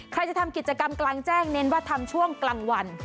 ใครจะทำกิจกรรมกลางแจ้งเน้นว่าทำช่วงกลางวัน